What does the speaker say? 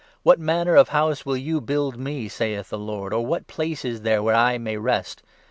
What manner of House will you build me, saith the Lord, Or what place is there where I may rest